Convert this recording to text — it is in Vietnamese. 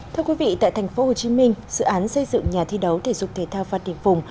thưa quý vị tại tp hcm dự án xây dựng nhà thi đấu thể dục thể thao phát điện phùng